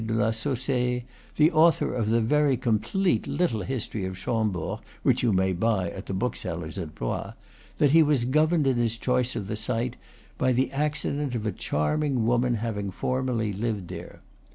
de la Saussaye, the author of the very complete little history of Chambord which you may buy at the bookseller's at Blois, that he was govemed in his choice of the site by the accident of a charming woman having formerly lived there.